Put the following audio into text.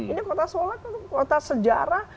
ini kota solo kan kota sejarah